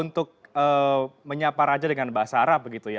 untuk menyapa raja dengan bahasa arab begitu ya